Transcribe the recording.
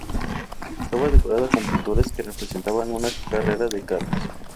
Estaba decorada con pinturas que representaban una carrera de carros.